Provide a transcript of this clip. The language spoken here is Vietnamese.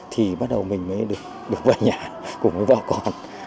thì bắt đầu mình mới được vào nhà cũng mới vào còn